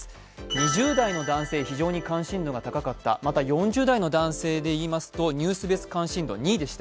２０代の男性が非常に男性が高かった、また４０代の男性でいいますとニュース別関心度４位でした。